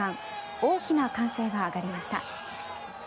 大きな歓声が上がりました。